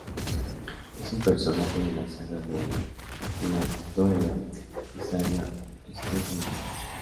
Es un personaje de la "saga de Laxdœla", y "saga Sturlunga".